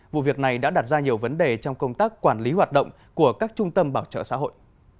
vụ việc này đã đặt ra nhiều vấn đề trong công tác quản lý hoạt động của các trung tâm bảo trợ xã hội